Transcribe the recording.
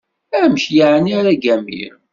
Amek yeεni ara ggamiɣ?